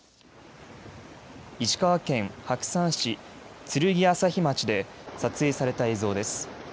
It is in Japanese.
石川県白山市鶴来朝日町で撮影された映像です。